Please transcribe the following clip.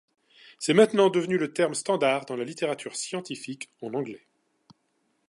C'est maintenant devenu le terme standard dans la littérature scientifique en anglais.